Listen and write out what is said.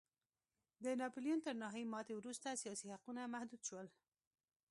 د ناپلیون تر نهايي ماتې وروسته سیاسي حقونه محدود شول.